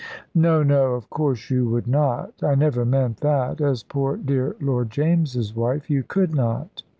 "No, no! Of course you would not. I never meant that. As poor dear Lord James's wife you could not."